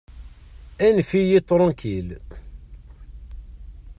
Anef-iyi tṛankil.